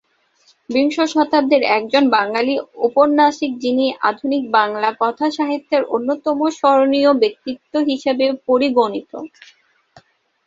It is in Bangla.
বিংশ শতাব্দীর একজন বাঙালি ঔপন্যাসিক যিনি আধুনিক বাংলা কথাসাহিত্যের অন্যতম স্মরণীয় ব্যক্তিত্ব হিসাবে পরিগণিত।